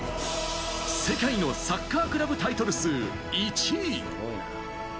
世界のサッカークラブタイトル数１位。